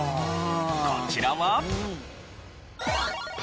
こちらは。